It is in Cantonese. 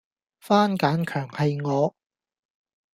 番梘強係我